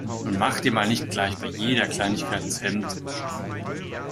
Nun mach dir mal nicht gleich bei jeder Kleinigkeit ins Hemd.